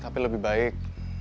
tapi lebih baik